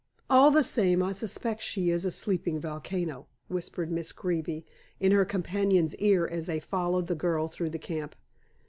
"All the same, I suspect she is a sleeping volcano," whispered Miss Greeby in her companion's ear as they followed the girl through the camp.